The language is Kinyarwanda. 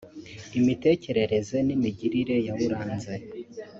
imitekerereze n’imigirire yawuranze